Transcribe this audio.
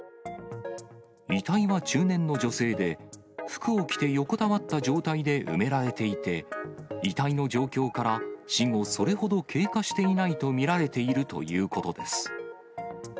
遺体は中年の女性で、服を着て横たわった状態で埋められていて、遺体の状況から、死後それほど経過していないと見られているということです。